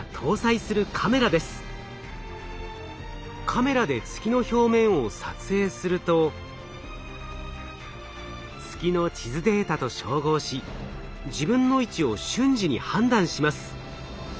カメラで月の表面を撮影すると月の地図データと照合し自分の位置を瞬時に判断します。